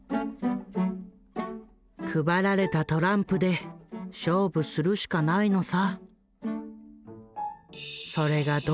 「配られたトランプで勝負するしかないのさ」。